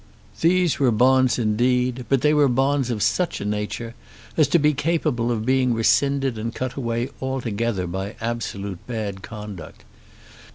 These were bonds indeed; but they were bonds of such a nature as to be capable of being rescinded and cut away altogether by absolute bad conduct.